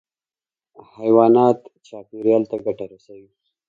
حیوانات چاپېریال ته ګټه رسوي.